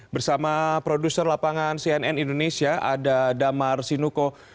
bersama produser lapangan cnn indonesia ada damar sinuko